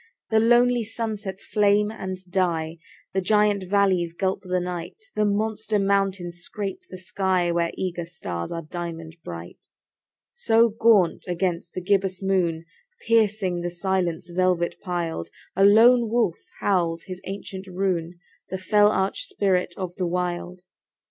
The lonely sunsets flame and die; The giant valleys gulp the night; The monster mountains scrape the sky, Where eager stars are diamond bright. So gaunt against the gibbous moon, Piercing the silence velvet piled, A lone wolf howls his ancient rune— The fell arch spirit of the Wild.